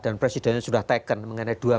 dan presidennya sudah taken mengenai